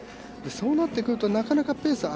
そうなってくるとなかなかペースを